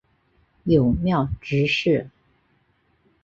友庙执事。